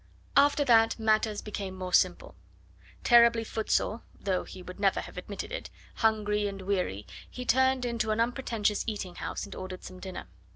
After that matters became more simple. Terribly foot sore, though he would never have admitted it, hungry and weary, he turned into an unpretentious eating house and ordered some dinner.